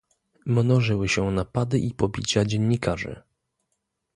Mnożyły się napady i pobicia dziennikarzy